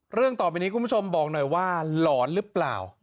เรื่องต่อไปนี้คุณผู้ชมบอกหน่อยว่าหลอนหรือเปล่า